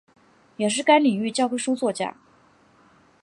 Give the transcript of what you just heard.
也是该领域教科书作者。